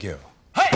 はい。